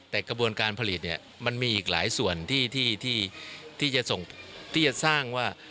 แต่กระบวนการผลิตเนี่ยมันมีอีกหลายส่วนที่จะสร้างว่า